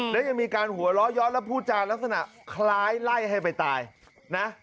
แล้วยังมีการหัวล้อย้อนแล้วพูดจานลักษณะคล้ายไล่ให้ไปตายนะ